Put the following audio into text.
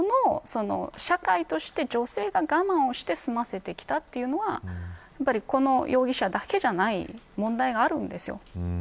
社会として、女性が我慢をして済ませてきたというのはこの容疑者だけじゃない問題があるんですよ。